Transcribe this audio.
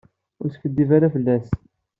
Ur teskiddib ara fell-as.